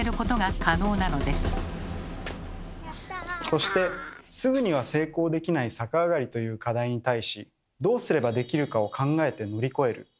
そしてすぐには成功できない逆上がりという課題に対しどうすればできるかを考えて乗り越える。